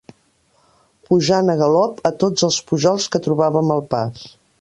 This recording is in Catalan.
Pujant al galop a tots els pujols que trobàvem al pas